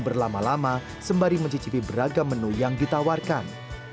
berlama lama sembari mencicipi beragam menu yang ditawarkan